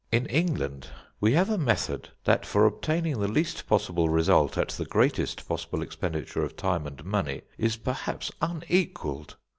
In England we have a method that for obtaining the least possible result at the greatest possible expenditure of time and money is perhaps unequalled.